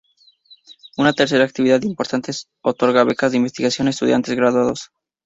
Una tercera actividad importante es otorgar becas de investigación a estudiantes graduados.